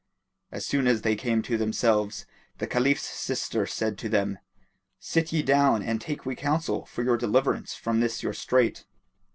As soon as they came to themselves, the Caliph's sister said to them, "Sit ye down and take we counsel for your deliverance from this your strait."